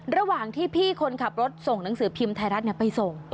ระหว่างที่พี่คนขับรถส่งหนังสือพิมพ์ไทยรัฐไปส่ง